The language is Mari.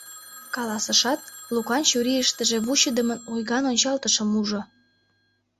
Каласышат, Лукан чурийыштыже вучыдымын ойган ончалтышым ужо.